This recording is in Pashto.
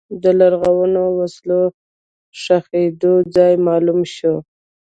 د لرغونو وسلو ښخېدو ځای معلوم شو.